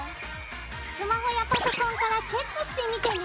スマホやパソコンからチェックしてみてね。